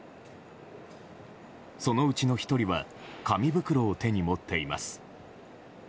そのうちの１人は紙袋を手に持っています。